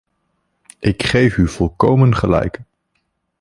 Ik geef u volkomen gelijk.